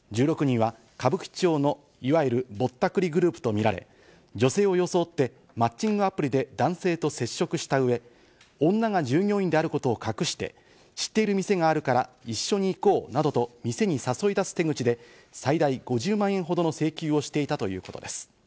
１６人は歌舞伎町のいわゆるぼったくりグループとみられ、女性を装ってマッチングアプリで男性と接触したうえ、女が従業員であることを隠して、知っている店があるから一緒に行こうなどと店に誘い出す手口で最大５０万円ほどの請求をしていたということです。